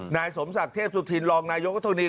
นายสมศักดิ์เทพสุธินรองนายกัธนี